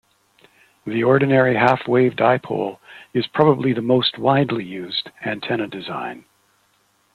The ordinary half-wave dipole is probably the most widely used antenna design.